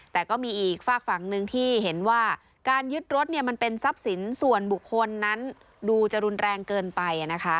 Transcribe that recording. แต่ก็มีอีกฝากฝั่งหนึ่งที่เห็นว่าการยึดรถมันเป็นทรัพย์สินส่วนบุคคลนั้นดูจะรุนแรงเกินไปนะคะ